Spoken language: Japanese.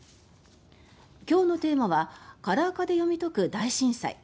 今日のテーマは「カラー化で読み解く大震災」。